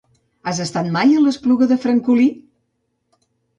Has estat mai a l'Espluga de Francolí?